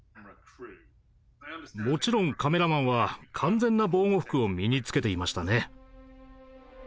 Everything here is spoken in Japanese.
もちろんカメラマンは完全な防護服を身に着けていましたね。